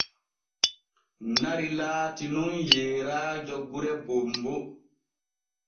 Nari laati nun yeeraajo gure bonbo.